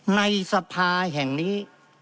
ในสภาแห่งนี้